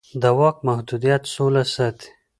د واک محدودیت سوله ساتي